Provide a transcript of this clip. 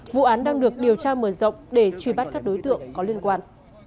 vụ án đang được điều tra mở rộng để truy bắt các đối tượng có liên quan